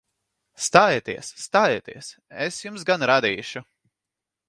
Stājieties! Stājieties! Es jums gan rādīšu!